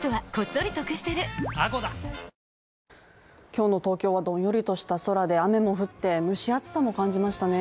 今日の東京はどんよりとした空で雨も降って、蒸し暑さも感じましたね。